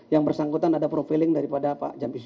yang bersangkutan ada profiling daripada pak jampit